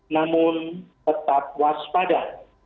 namun tetap waspada